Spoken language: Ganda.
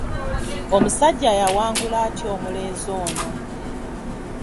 Omusajjja yawangula atya omulenzi ono?